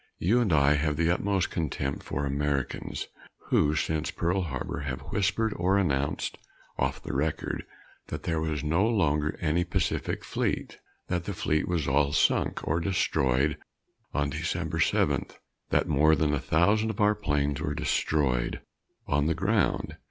You and I have the utmost contempt for Americans who, since Pearl Harbor, have whispered or announced "off the record" that there was no longer any Pacific Fleet that the Fleet was all sunk or destroyed on December 7th that more than a thousand of our planes were destroyed on the ground.